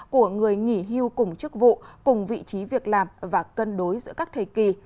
của người nghỉ hưu cùng chức vụ cùng vị trí việc làm và cân đối giữa các thời kỳ